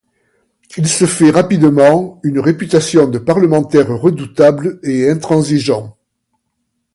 Il se fait rapidement une réputation de parlementaire redoutable et intransigeant.